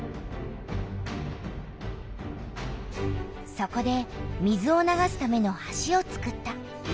そこで水を流すための橋をつくった。